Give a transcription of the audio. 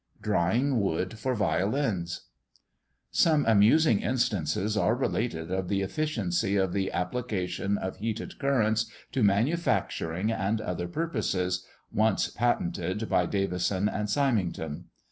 DRYING WOOD FOR VIOLINS. Some amusing instances are related of the efficiency of "the Application of Heated Currents to Manufacturing and other Purposes," once patented by Davison and Symington.